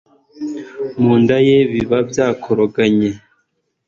mu nda ye bibabyakoroganye